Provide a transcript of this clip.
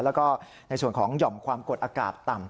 แล้วก็ในส่วนของหย่อมความกดอากาศต่ำ